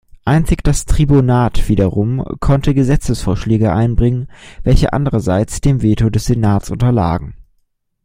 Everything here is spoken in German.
Einzig das Tribunat wiederum konnte Gesetzesvorschläge einbringen, welche andererseits dem Veto des Senats unterlagen.